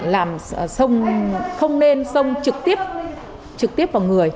làm sông không nên sông trực tiếp vào người